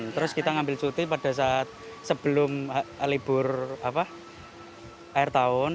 terus kita ngambil cuti pada saat sebelum libur air tahun